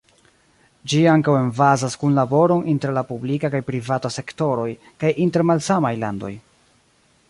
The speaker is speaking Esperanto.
Ĝi ankaŭ emfazas kunlaboron inter la publika kaj privata sektoroj kaj inter malsamaj landoj.